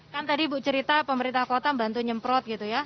kan tadi ibu cerita pemerintah kota bantu nyemprot gitu ya